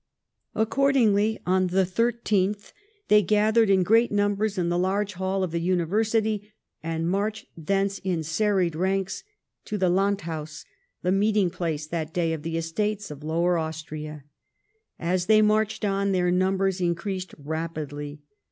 Accordingly, on the loth, they gathered in great numbers in the large hall of the University, and marched thence, in serried ranks, to the Landhaus — the meeting place that day of the Estates of Lower Austria. As they marched on, their numbers increased rapidly.